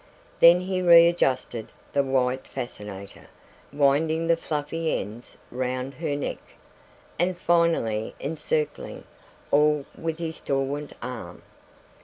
Then he readjusted the white fascinator, winding the fluffy ends round her neck, and finally encircling all with his stalwart arm.